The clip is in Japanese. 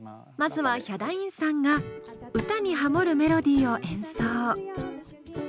まずはヒャダインさんが歌にハモるメロディーを演奏。